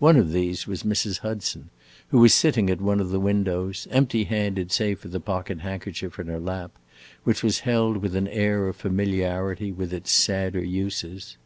One of these was Mrs. Hudson, who was sitting at one of the windows, empty handed save for the pocket handkerchief in her lap, which was held with an air of familiarity with its sadder uses.